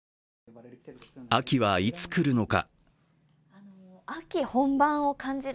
秋はいつ来るのか。